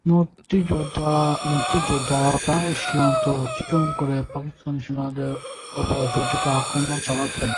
মুক্তিযোদ্ধারা প্রায়ই সীমান্ত অতিক্রম করে পাকিস্তানি সেনাদের ওপর ঝটিকা আক্রমণ চালাতেন।